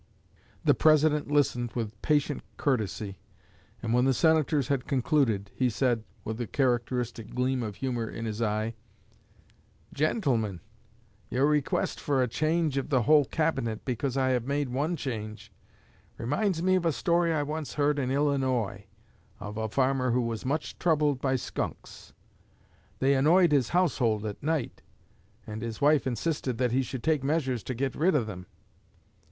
The President listened with patient courtesy, and when the Senators had concluded, he said, with a characteristic gleam of humor in his eye: "Gentlemen, your request for a change of the whole Cabinet because I have made one change, reminds me of a story I once heard in Illinois of a farmer who was much troubled by skunks. They annoyed his household at night, and his wife insisted that he should take measures to get rid of them.